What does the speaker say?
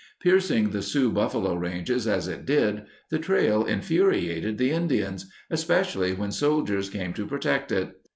Piercing the Sioux buffalo ranges as it did, the trail infuriated the Indians, especially when soldiers came to protect it.